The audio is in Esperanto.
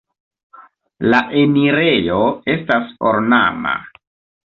La enirejo estas ornama.